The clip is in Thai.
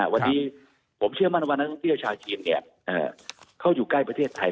วันนี้ผมเชื่อมั่นว่านักท่องเที่ยวชาวจีนเข้าอยู่ใกล้ประเทศไทย